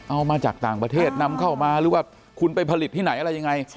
เอามาจากต่างประเทศนำเข้ามาหรือว่าคุณไปผลิตที่ไหนอะไรยังไง